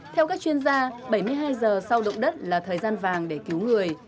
theo các chuyên gia bảy mươi hai giờ sau động đất là thời gian vàng để cứu người